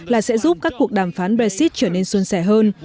là sẽ giúp các cuộc đàm phán brexit trở nên xuân sẻ hơn